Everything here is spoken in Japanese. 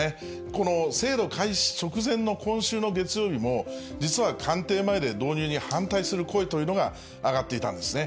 この制度開始直前の今週の月曜日も、実は官邸前で導入に反対する声というのが上がっていたんですね。